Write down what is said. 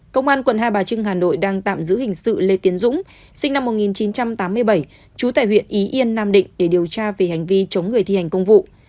công an quận hai bà trưng hà nội đang tạm giữ hình sự lê tiến dũng sinh năm một nghìn chín trăm tám mươi bảy trú tại huyện ý yên nam định để điều tra về hành vi chống người thi hành công vụ